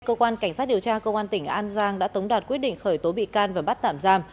cơ quan cảnh sát điều tra công an tỉnh an giang đã tống đạt quyết định khởi tố bị can và bắt tạm giam